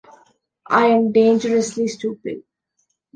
I am dangerously stupid.